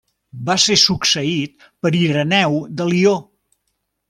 Va ser succeït per Ireneu de Lió.